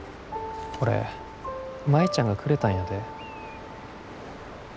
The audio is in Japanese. これ舞ちゃんがくれたんやで。